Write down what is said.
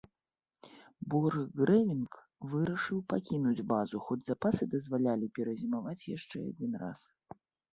Борхгрэвінк вырашыў пакінуць базу, хоць запасы дазвалялі перазімаваць яшчэ адзін раз.